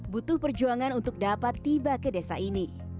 butuh perjuangan untuk dapat tiba ke desa ini